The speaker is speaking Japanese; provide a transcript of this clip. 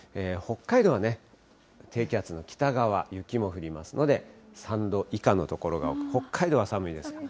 北海道は低気圧の北側、雪も降りますので、３度以下の所が、北海道は寒いです。